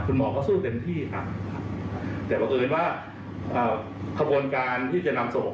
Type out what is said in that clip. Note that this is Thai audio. เพื่อจะดำเนินการตามมาตรฐานการจัดการศพของผู้ป่วยที่เป็นโควิด